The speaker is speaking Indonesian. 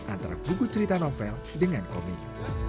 antara buku cerita novel dengan komik